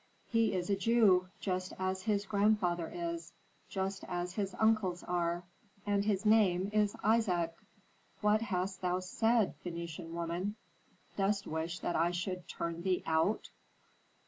"He is a Jew, just as his grandfather is, just as his uncles are; and his name is Isaac." "What hast thou said, Phœnician woman? Dost wish that I should turn thee out?"